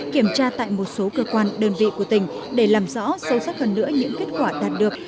kiểm tra tại một số cơ quan đơn vị của tỉnh để làm rõ sâu sắc hơn nữa những kết quả đạt được